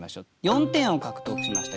４点を獲得しました